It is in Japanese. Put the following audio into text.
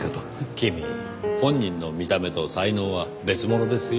君本人の見た目と才能は別物ですよ。